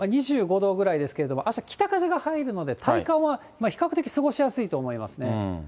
２５度ぐらいですけれども、あした、北風が入るので、体感は比較的過ごしやすいと思いますね。